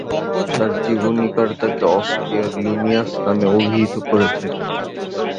তার জীবনীকার তাকে "অস্ট্রিয়ার লিনিয়াস" নামে অভিহিত করেছেন।